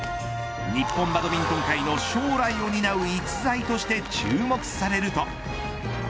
日本バドミントン界の将来を担う逸材として注目されると。